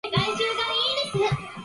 お疲れ様です。